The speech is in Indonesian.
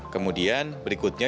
kemudian berikutnya yang berikutnya